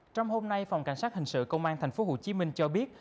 trong hôm nay phòng cảnh sát hình sự công an thành phố hồ chí minh cho biết